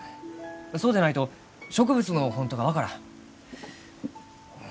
そうでないと植物の本当が分からん。